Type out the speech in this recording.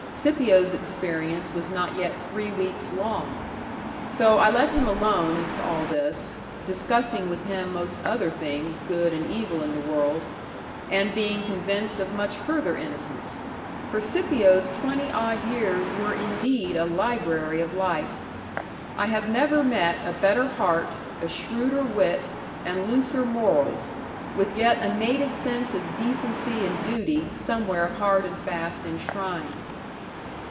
Scipio's experience was not yet three weeks long. So I let him alone as to all this, discussing with him most other things good and evil in the world, and being convinced of much further innocence; for Scipio's twenty odd years were indeed a library of life. I have never met a better heart, a shrewder wit, and looser morals, with yet a native sense of decency and duty somewhere hard and fast enshrined.